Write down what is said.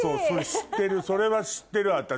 知ってるそれは知ってる私。